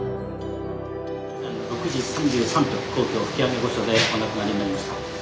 「６時３３分皇居吹上御所でお亡くなりになりました」。